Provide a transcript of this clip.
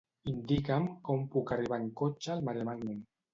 Indica'm com puc arribar en cotxe al Maremàgnum.